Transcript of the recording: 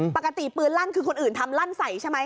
ปกติปืนลั่นคือคนอื่นทำลั่นใส่ใช่ไหม